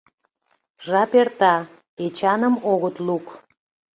Жап эрта, Эчаным огыт лук.